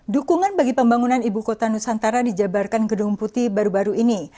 dukungan bagi pembangunan ibu kota nusantara dijabarkan gedung putih baru baru ini